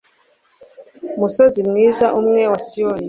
musozi mwiza umwe wa siyoni